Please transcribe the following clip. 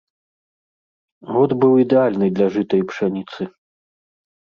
Год быў ідэальны для жыта і пшаніцы.